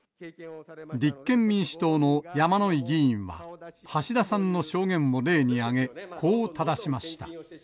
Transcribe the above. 立憲民主党の山井議員は橋田さんの証言を例に挙げ、こうただしました。